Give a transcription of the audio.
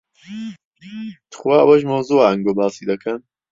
توخوا ئەوەش مەوزوعە ئەنگۆ باسی دەکەن.